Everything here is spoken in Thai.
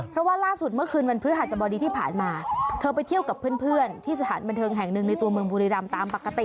เพราะว่าล่าสุดเมื่อคืนวันพฤหัสบดีที่ผ่านมาเธอไปเที่ยวกับเพื่อนที่สถานบันเทิงแห่งหนึ่งในตัวเมืองบุรีรำตามปกติ